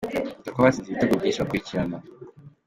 Dore uko abatsinze ibitego byinshi bakurikirana:.